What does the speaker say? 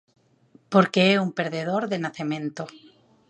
Porque é un perdedor de nacemento.